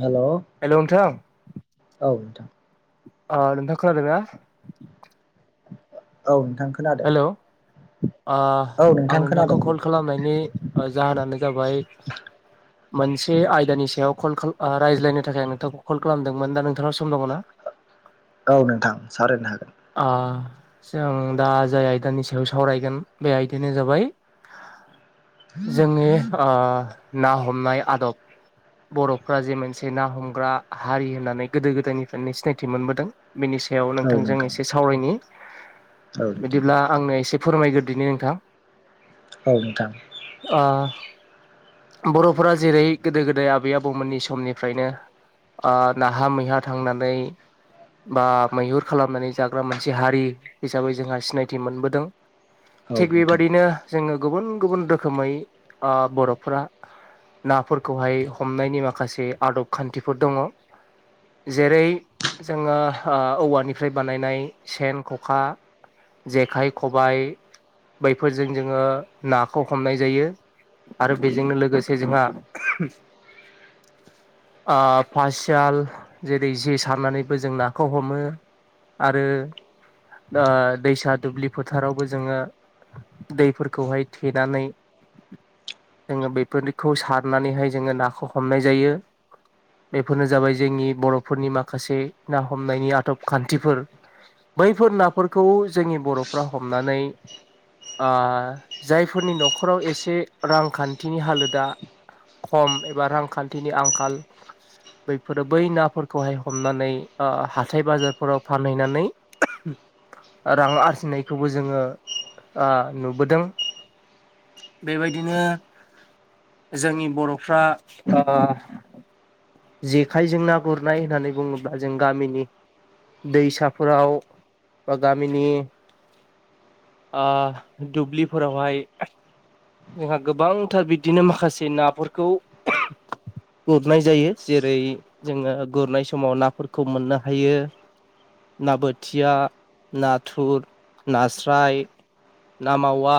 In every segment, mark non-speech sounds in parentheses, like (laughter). हेल' hello नोंथां नोंथां अ नोंथां खोनादोंना? औ नोंथां। खोनादों हेलौ' ओह औ नोंथां आं खोनादों नोंथांखौ कल खालामनायनि जाहोनानो जाबाय मोनसे आयदानि सायाव कल खा रायज्लायनो थाखाय आं नोंथांखौ कल खालामदोंमोन दा नोंथांनाव सम दङ ना? औ नोंथां सावरायनो हागोन। ओ जों दा जाय आयदानि सायाव सावरायगोन बे आयदायानो जाबाय जोंनि ओ ना हमनाय आदब। बर'फ्रा जे मोनसे ना हमग्रा हारि होननानै गोदो गोदायनिफ्रायनो सिनायथि मोनबोदों। बिनि सायाव औ नोंथांजों नोंथां एसे सावरायनि औ नोंथां बिदिब्ला आंनो एसे फोरमायग्रो दिनि नोंथां। औ नोंथां। आ बर'फोरा जेरै गोदो गोदाय आबै आबौमोननि समनिफ्रायनो नाहा मैहा थांनानै बा मैहुर खालामनानै जाग्रा मोनसे हारि हिसाबै जोंहा सिनायथि मोनबोदों औ थिग नोंथां बेबादिनो जोङो गुबुन गुबुन रोखोमै बर'फोरा नाफोरखौहाय हमनायनि माखासे आदब खान्थिफोर दङ। जेरै जोङो औवानिफ्राय बानायनाय सेन ख'खा जेखाइ खबाय बैफोरजों जोङो नाखौ हमनाय जायो आरो बेजोंनो लोगोसे जोंहा पासियाल जेरै जे सारनानैबो जों नाखौ हमो आरो दा दैसा दुब्लि फोथारावबो दैफोरखौहाय थेनानै जोङो बेफोरखौ सारनानैहाय जोङो नाखौ हमनाय जायो। बेफोरनो जाबाय जोंनि बर'फोरनि माखासे ना हमनायनि आदब खान्थिफोर बैफोर नाफोरखौ जोंनि बर'फ्रा हमनानै जायफोरनि न'खराव एसे रांखान्थिनि हालोदा खम एबा रांखान्थिनि आंखाल बैफोरो बै नाफोरखौहाय हमनानै हाथाय बाजारफोराव फानहैनानै रां आरजिनायखौबो जोङो नुबोदों बेबायदिनो जोंनि बर'फ्रा ओ जेखाइजों ना गुरनाय होननानै बुङोब्ला जों गामिनि दैसाफोराव बा गामिनि दुब्लिफोरावहाय जोंहा गोबांथार बिदिनो माखासे नाफोरखौ गुरनाय जायो जेरै जोङो गुरनाय समाव नाफोरखौ मोननो हायो ना बोथिया नाथुर नास्राय ना मावा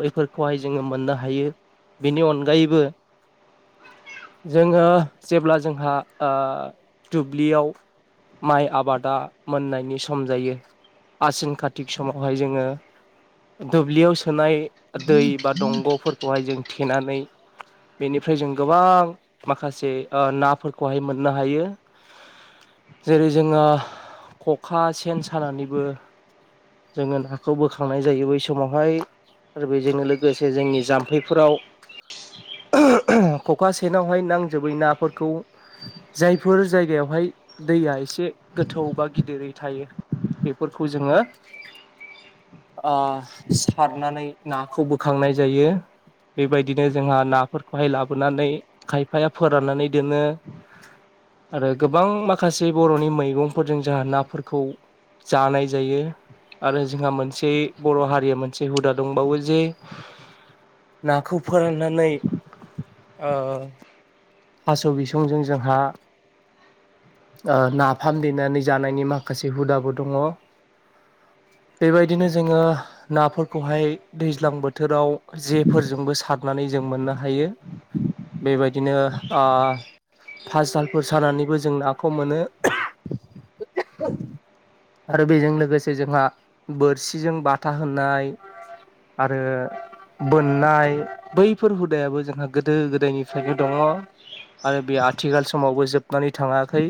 बैफोरखौहाय जोङो मोननो हायो बेनि अनगायैबो जोङो जेब्ला जोंहा दुब्लियाव माइ आबादा मोननायनि सम जायो आसिन कार्तिक समावहाय जोङो दुब्लियाव सोनाय दै बा दंग'फोरखौहाय जों थेनानै बेनिफ्राय जों गोबां माखासे नाफोरखौहाय मोननो हायो जेरै जोङो खखा सेन सानानैबो जोङो नाखौ बोखांनाय जायो बै समावहाय आरो बेजोंनो लोगोसे जोंनि जाम्फैफोराव खखा सेनावहाय नांजोबै नाफोरखौ जायफोर जायगायावहाय दैया एसे गोथौ बा गिदिरै थायो बेफोरखौ जोङो सारनानै नाखौ बोखांनाय जायो बेबायदिनो जोंहा नाफोरखौहाय लाबोनानै खायफाया फोराननानै दोनो आरो गोबां माखासे बर'नि मैगंफोरजों जोंहा नाफोरखौ जानाय जायो आरो जोंहा मोनसे बर' हारिया मोनसे हुदा दंबावो जे नाखौ फोराननानै ओ थास' बिसंजों जोंहा ओ नाफाम देनानै जानायनि माखासे हुदाबो दङ। बेबायदिनो जोङो नाफोरखौहाय दैज्लां बोथोराव जेफोरजोंबो सारनानै जों मोननो हायो। बेबायदिनो आ फाजथालफोर सानानैबो जों नाखौ मोनो। आरो बेजों लोगोसे जोंहा बोरसिजों बाथा होनाय आरो बोननाय बैफोर हुदायाबो जोंहा गोदो गोदायनिफ्रायनो दङ'। आरो बे आथिखाल समावबो जोबनानै थाङाखै।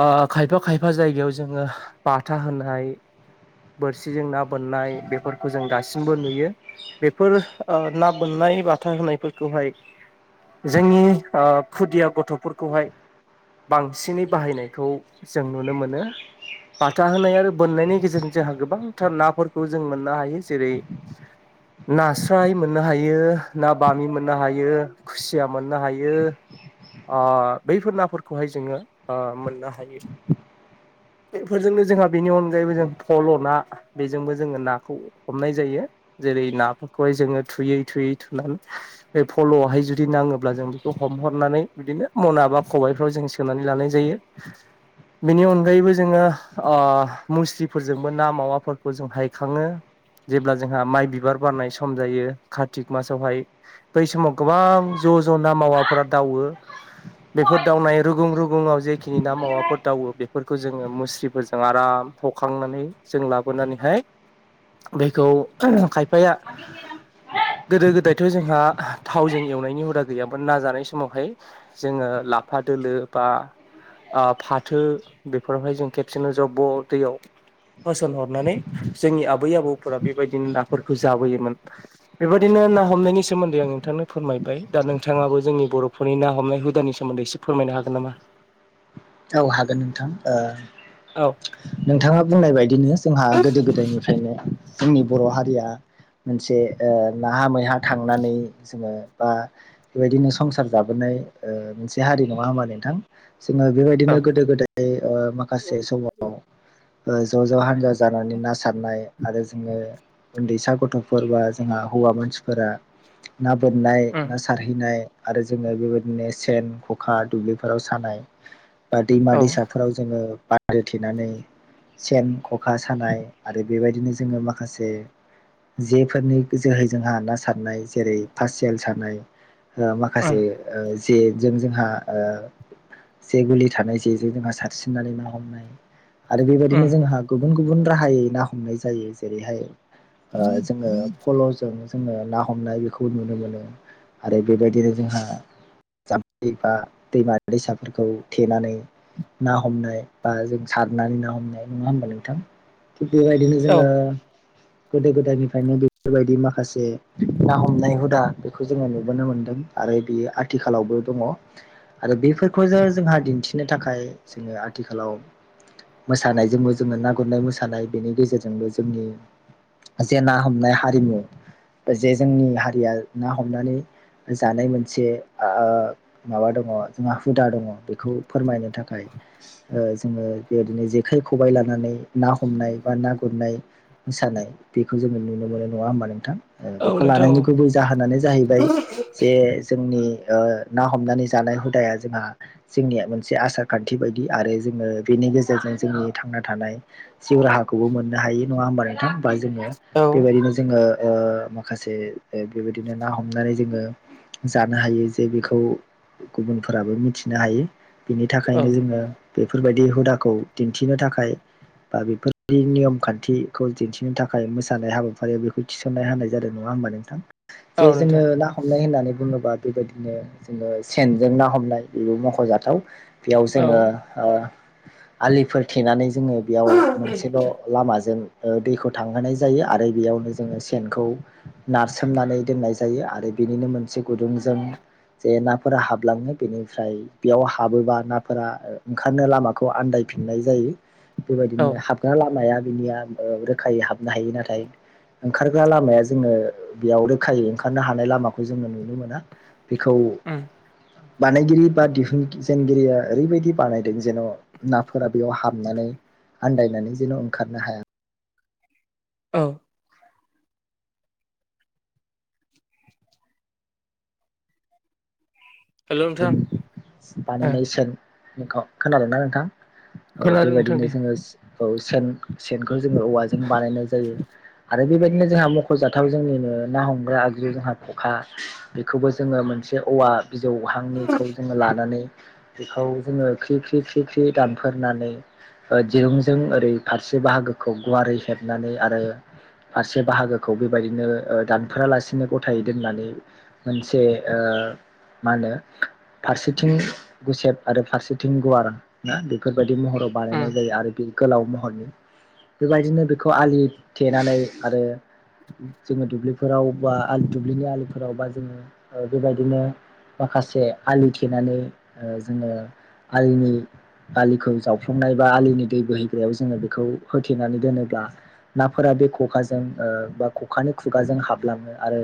ओ खायफा खायफा जायगायाव जों जोङो बाथा होनाय बोरसिजों ना बोननाय बेफोर खौ जों दासिमबो नुयो। बेफोर ओ ना बोननाय बाथा होनायफोरखौहाय जोंनि ओ खुदिया गथ'फोरखौहाय बांसिनै बाहायनायखौ जों नुनो मोनो। बाथा होनना आरो बोननायनि गेजेरजों जोंहा गोबांथार ना फोरखौ जों मोननो हायो जेरै, नास्राय, मोननो हायो ना बामि, मोननो हायो खुसिया, मोननो हायो ओ बैफोर नाफोरखौहाय जोङो ओ मोननो हायो। बेफोरजोंनो जोंहा बेनि अनगायैबो जों फल' ना बेजोंबो जोङो नाखौ हमनाय जायो। जेरै नाफोरखौहाय जोङो थुयै थुयै थुनानै बे फल'आवहाय जुदि नाङोब्ला जों बेखौ हमहरनानै बिदिनो मना बा खबाइफ्राव जों सोनानै लानाय जायो। (inaudible) बेनि अनगायैबो जोङो ओ मुस्रिफोरजोंबो ना मावाफोरखौ जों हायखाङो। जेब्ला जोंहा माइ बिबार बारनाय सम जायो कारतिक मासावहाय बै समाव गोबां ज' ज' ना मावाफोरा दावो बेफोर दावनाय रुगुं रुगुङाव जेखिनि ना मावाफोर दावो बेफोरखौ जोङो मुस्रिफोरजों आराम हखांनानै जों लाबोनानैहाय बेखौ खायफाया गोदो गोदाय थ' जोंहा थावजों एवनायनि हुदा गैयामोन ना जानाय समावहाय जोङो लाफा दोलो बा ओ फाथो बेफोरावहाय जों खेबसेनो जब्ब' दैयाव होसनहरनानै जोंनि आबै आबौफोरा बेबायदिनो नाफोरखौ जाबोयोमोन। बेबायदिनो ना हमनायनि सोमोन्दै आं नोंथांनो फोरमायबाय दा नोंथाङाबो जोंनि बर' फोरनि ना हमनाय हुदानि सोमोन्दै एसे फोरमायनो हागोन नामा? औ हागोन नोंथां। ओ औ नोंथाङा बुंनाय बायदिनो जोंहा गोदो गोदायनिफ्रायनो जोंनि बर' हारिया मोनसे ओ नाहा मैहा थांनानै जोङो बा बेबायदिनो संसार जाबोनाय ओ मोनसे हारि नङा होमबा नोंथां जोङो बिदिनो औ गोदो गोदाय ओ माखासे समाव ओ ज' ज' हानजा जानानै ना सारनाय। आरो जोङो उन्दैसा गथ'फोर बा जोंहा हौवा मानसिफोरा ना बोननाय उम ना सा सारहैनाय आरो जोङो बेबायदिनो सेन, खखा दुब्लिफोराव सानाय बा दैमा औ दैसाफोराव जोङो बानदो थेनानै सेन ख'खा सानाय। आरो बेबायदिनो जोङो माखासे जेफोरनि जोहै जोंहा ना सारनाय जेरै पारसेल सारनाय ओ उम माखासे ओ जेजों जोंहा ओ जे गुलि थानाय जेजों जोंहा सारसिननानै ना हमनाय आरो उम बेबायदिनो जोंहा गुबुन गुबुन राहायै ना हमनाय जायो जेरैहाय ओ जोङो फल'जों जोङो ना हमनाय बेखौ नुनो मोनो। आरो बेबायदिनो जोंहा जामफै बा दैमा दैसा फोरखौ थेनानै ना हमनाय बा जों सारनानै ना हमनाय नङा होमबा नोंथां बेबायदिनो औ जोङो गोदो गोदायनिफ्रायनो बेफोरबायदि माखासे ना हमनाय हुदा बेखौ जोङो नुबोनो मोन्दों। आरो बियो आथिखालावबो दङ आरो बेफोर बेखौसो जोंहा दिन्थिनो थाखाय जोङो आथिखालाव मोसानायजोंबो जोङो ना गुरनाय मोसानाय बेनि गेजेरजोंबो जोंनि जे ना हमनाय हारिमु जे जोंनि हारिया ना हमनानै जानाय मोनसे ओ माबा दङ जोंहा हुदा दङ बेखौ फोरमायनो थाखाय ओ जोङो बेबायदिनो जेखाइ खबाइ लानानै ना हमनाय बा ना गुरनाय मोसानाय बेखौ जोङो नुनो मोनो नङा होमबा नोंथां? औ बेखौ नोंथां लानायनि गुबै जाहोनानो जाहैबाय जे जोंनि ओ ना हमनानै जानाय हुदाया ज जोंहा जोंनिया मोनसे आसार खान्थि बायदि आरो जोङो बिनि गेजेरजों जोंनि थांना थानाय जिउ राहाखौबो मोननो हायो नङा होमबा नोंथां होमबा जोङो औ बेबायदिनो जोङो ओ माखासे बेबायदिनो ना हमनानै जोङो जानो हायो जे बेखौ गुबुन फोराबो मिथिनो हायो बिनि औ थाखायनो जोङो बेफोरबायदि हुदाखौ दिन्थिनो थाखाय बा बेफोरदि नियम खान्थिखौ दिन्थिनो थाखाय मोसानाय हाबाफारिया बेखौ थिसन्नाय होनाय जादों नङा होमबा नोंथां? जे औ जोङो नोंथां ना हमनाय होननानै बुङोबा बेबायदिनो जोङो सेन जों ना हमनाय बेबो मख'जाथाव बेयाव औ जोङो ओ आलिफोर थेनानै जोङो बेयाव मोनसेल' लामाजों ओ दैखौ थांहोनाय जायो आरो बेयावनो जोङो सेनखौ नारसोमनानै दोननाय जायो आरो बिनिनो मोनसे गुदुंजों जे नाफोरा हाब हाबलाङो बेनिफ्राय बेयाव हाबोबा नाफोरा ओंखारनो लामाखौ आन्दायफिननाय जायो। औ बेबायदिनो हाबग्रा लामाया बिनिया रोखायै हाबनो हायो नाथाय ओंखारग्रा लामाया जोङो बेयाव रोखायै ओंखारनो हानाय लामाखौ जोङो नुनो मोना। बिखौ उम बानायगिरि बा दिहुनजेनगिरिया ओरैबायदि बानायदों जेन' नाफोरा बेयाव हाबनानै आन्दायनानै जेन' ओंखारनो हाया औ हेल' नोंथां बिनि ओ बानायनाय सेनख' खोनादों ना नोंथां? औ खोनादों नोंथां बेबायदिनो दे जोङो औ सेन सेनखौ जोङो औवाजों बानायनाय जायो। आरो बेबायदिनो जोंहा मख'जाथाव जोंनिनो ना हमग्रा आगजु जोंहा खखा बेखौबो जोङो मोनसे औवा बिजौहांनिखौ जोङो लानानै बेखौ जोङो ख्रि ख्रि ख्रि ख्रि दानफोरनानै दिरुंजों ओरै फारसे बाहागोखौ गुवारै हेबनानै आरो फारसे बाहागोखौ बेबायदिनो ओ दानफोरलासिनो गथायै दोननानै मोनसे ओ मा होनो फारसेथिं गुसेब आरो फारसेथिं गुवार ना बेफोरबायदि महराव उम बानायनाय जायो आरो बे गोलाव महरनि बेबायदिनो बेखौ आलि थेनानै आरो जोङो दुब्लिफोराव बा दुब्लिनि आलुफोराव बा जोङो बेबायदिनो माखासे आलि थेनानै जोङो आलिनि आलिखौ जावफ्लंमनाय बा आलिनि दै बोहैग्रायाव जोङो बेखौ होथेनानै दोनोब्ला बे खखाजों बा खखानि खुगाजों हाबलाङो आरो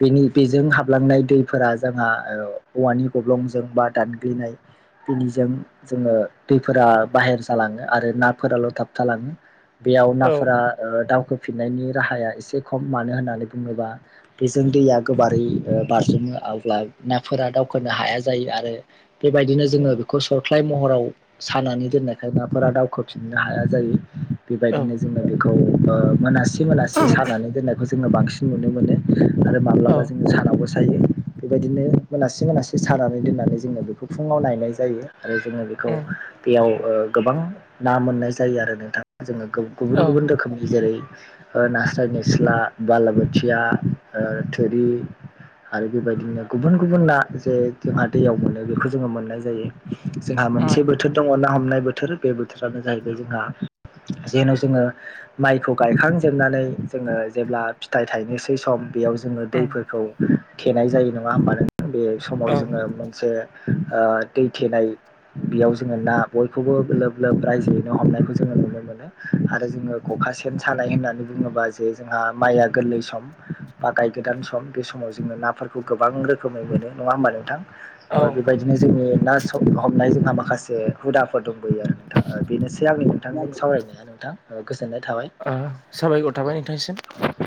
बेनि बेजों हाबलांनाय दैफोरा जोंहा औवानि गब्लंजों बा दानग्लिनाय दिनिजों जोङो दैफोरा बाहेर जालाङो आरो नाफोराल' थाबथालाङो बेयाव औ नाफोरा दावखोफिननायनि राहाया एसे खम मानो होननानै बुङोबा बेजों दैया गोबारै बारस'नो आवग्लाय नाफोरा दावखोनो हाया जायो आरो बेबायदिनो औ उम औ जोङो खौ सरख्लाय महराव सानानै दोननायखाय नाफोरा दावखोफिननो हाया जायो। उम बेबायदिनो जोङो बेखौ मोनासे मोनासे सानानै दोननायखौ जोङो बांसिन नुनो मोनो। आरो माब्लाबा उम औ जोङो सानावबो सायो‌। बिदिनो मोनासे सानानै दोननानै जोङो बेखौ फुंयाव नायनाय जायो। आरो बेखौ बेयाव गोबां ना मोननाय जायो आरो नोंथां। गुबुन औ ओ गुबुन रोखोमनि जेरै नास्राय निस्ला बालाबोथिया थोरि आरो बेबायदिनो गुबुन गुबुन ना जे जोंहा दैयाव मोनो बेखौ जोङो मोननाय जायो जोंहा मोनसेबो बोथोर दङ ना हमनाय बोथोर बे बोथोरानो जाहैबाय जोंहा जेन' जोङो माइखौ गायखांजोबनानै जोङो जेब्ला फिथाइ थायनोसै सम बेयाव जोङो दैफोरखौ थेनाय जायो नङा होमबा नोंथां बे समाव जोङो मोनसे ओ दै थेनाय बेयाव जोङो ना बयखौबो गोब लोब रायजोयैनो हमनायखौ जोङो नुनो मोनो। आरो जोङो खखा सेन सानाय होननानै बुङोबा जे जोंहा माइआ गोरलै सम बा गाय गोदान सम बे समाव जोङो नाफोरखौ खौ गोबां रोखोमै मोनो नङा होमबा नोंथां बेबायदिनो जोंनि ना हमनाय जोंहा माखासे हुदाफोर दंबोयो आरो नोंथाङा बेनोसै आंनि नोंथांजों सावरायनाया नोंथां गोजोननाय थाबाय। साबायखर थाबाय औ। नोंथांसिम